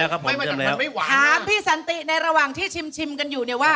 คำถามสันติในระหว่างที่ชิมกันอยู่นี่ว่า